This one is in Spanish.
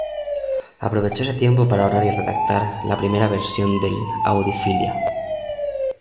Aprovechó ese tiempo para orar y redactar la primera versión del "Audi filia".